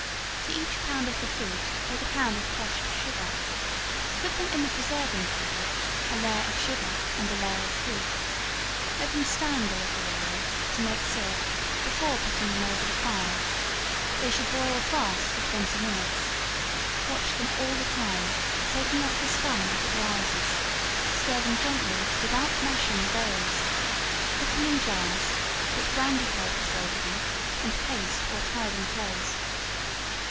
To each pound of the fruit take a pound of crushed sugar; put them in the preserving kettle, a layer of sugar and a layer of fruit; let them stand a little while to make syrup before putting them over the fire; they should boil fast for twenty minutes; watch them all the time, taking off the scum as it rises; stir them gently without mashing the berries; put them in jars, put brandy papers over them and paste or tie them close.